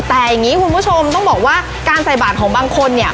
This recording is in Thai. แต่อย่างนี้คุณผู้ชมต้องบอกว่าการใส่บาทของบางคนเนี่ย